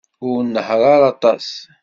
Ur nnehheṛ ara aṭas.